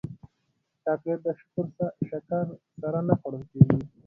چاکلېټ د شکر سره نه خوړل کېږي.